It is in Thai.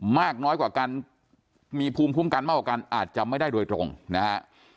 มากน้อยกว่ากันมีภูมิคุ้มกันมากกว่ากันอาจจะไม่ได้โดยตรงนะฮะ